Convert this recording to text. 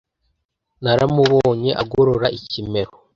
Naramubonye agorora ikimero,